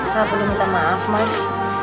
pak aku minta maaf mas